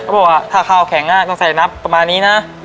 บอกว่าถ้าข้าวแข็งต้องใส่นับประมาณนี้นะ